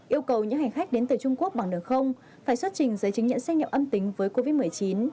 yêu cầu những hành khách đến từ trung quốc bằng đường không phải xuất trình giấy chứng nhận xét nghiệm âm tính với covid một mươi chín